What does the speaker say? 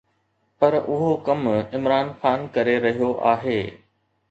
پر اهو ڪم عمران خان ڪري رهيو آهي.